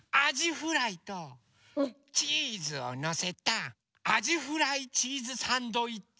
フライとチーズをのせたあじフライチーズサンドイッチ